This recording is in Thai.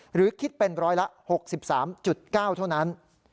หรือคิดเป็นร้อยละ๖๓๙เท่านั้น